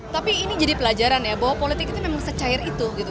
tapi ini jadi pelajaran ya bahwa politik itu memang secair itu gitu